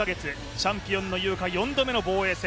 チャンピオンの井岡、４度目の防衛戦。